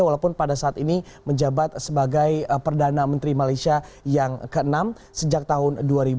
walaupun pada saat ini menjabat sebagai perdana menteri malaysia yang ke enam sejak tahun dua ribu